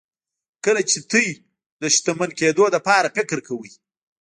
کله چې تاسې د شتمن کېدو لپاره فکر کوئ.